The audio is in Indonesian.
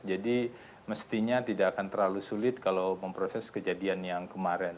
jadi mestinya tidak akan terlalu sulit kalau memproses kejadian yang kemarin